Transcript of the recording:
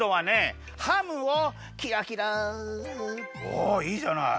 おいいじゃない！